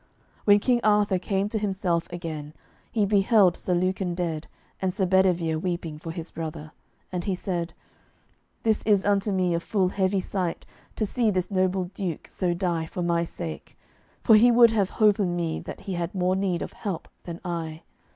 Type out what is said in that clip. When King Arthur came to himself again, he beheld Sir Lucan dead and Sir Bedivere weeping for his brother, and he said: "This is unto me a full heavy sight to see this noble duke so die for my sake, for he would have holpen me that had more need of help than I.